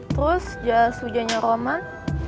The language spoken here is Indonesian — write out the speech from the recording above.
terus jas ujannya roman